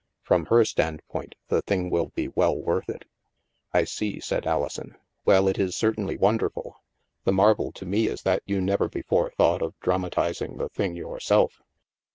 From her standpoint, the thing will be well worth it." " I see," said Alison. " Well, it is certainly won THE MAELSTROM 253 derf ul. The marvel to me is that you never before thought of dramatizing the thing yourself."